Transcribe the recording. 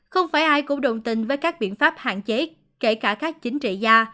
không phải ai cũng đồng tình với các biện pháp hạn chế kể cả các chính trị gia